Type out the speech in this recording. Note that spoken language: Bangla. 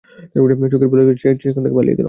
চোখের পলকেই সে সেখান থেকে পালিয়ে গেল।